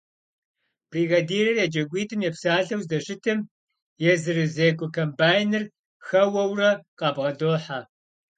Бригадирыр еджакӀуитӀым епсалъэу здэщытым езырызекӀуэ комбайныр хэуэурэ къабгъэдохьэ.